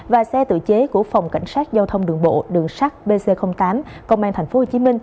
và xe tự chế của phòng cảnh sát giao thông đường bộ đường sát bc tám công an tp hcm